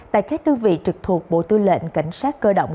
tại các đơn vị trực thuộc bộ tư lệnh cảnh sát cơ động